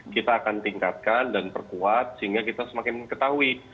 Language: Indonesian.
kita akan tingkatkan dan perkuat sehingga kita semakin ketahui